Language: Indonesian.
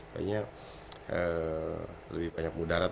kayaknya lebih banyak mudarat